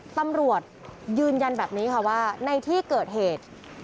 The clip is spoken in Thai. ตำรวจยืนยันแบบนี้ค่ะว่าในที่เกิดเหตุ